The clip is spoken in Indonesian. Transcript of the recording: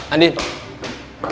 andien kenapa ya